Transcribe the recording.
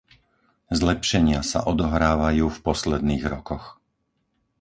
Zlepšenia sa odohrávajú v posledných rokoch.